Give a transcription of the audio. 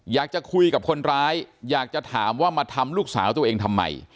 อยากจะคุยกับคนร้ายอยากจะถามว่ามาทำลูกสาวตัวเองทำไม